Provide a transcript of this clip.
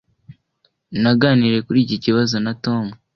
naganiriye kuri iki kibazo na tom